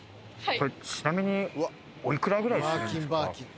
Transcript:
これちなみにお幾らぐらいするんですか？